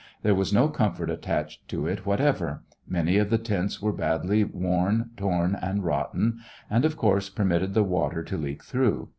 There was no comfort attached to it whatever. Many of the tents were badly worn, torn, and rotten, and of course permitted the water to leak through.